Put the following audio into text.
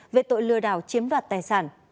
về tội lừa đảo chiếm đoạt tài sản